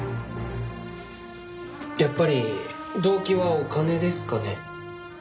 やっぱり動機はお金ですかね？